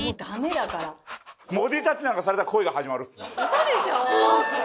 嘘でしょ！？